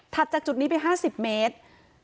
จากจุดนี้ไป๕๐เมตร